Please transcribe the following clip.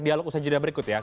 dialog usai jeda berikut ya